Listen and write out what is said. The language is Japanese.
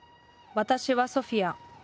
私はソフィヤ。